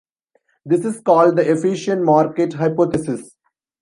This is called the efficient-market hypothesis.